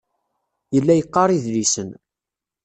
Yella yeqqar idlisen.